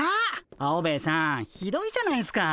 アオベエさんひどいじゃないっすか。